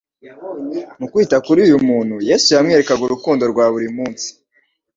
Mu kwita kuri uyu muntu, Yesu yamwerekaga urukundo rwa buri munsi.